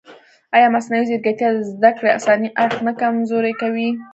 ایا مصنوعي ځیرکتیا د زده کړې انساني اړخ نه کمزوری کوي؟